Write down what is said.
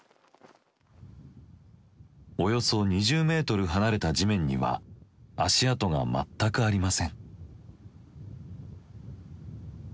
およそ２０メートル離れた地面には足跡が全くありません。